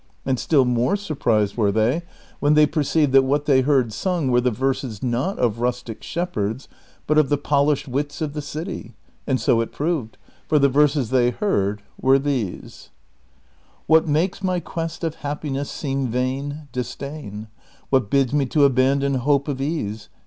And still more sur prised were they when they perceived that what they heard sung were the verses not of rustic shepherds, but of the polished wits of the city ;^ and so it proved, for the verses they heard were these :^ What makes my quest of happiness seem vain ? Disdain. AVhat bids me to abandon hope of ease